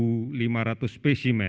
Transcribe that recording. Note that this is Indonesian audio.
boltb terbaru kelapa sang ainganya